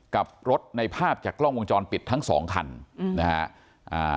กับรถในภาพจากกล้องวงจรปิดทั้งสองคันอืมนะฮะอ่า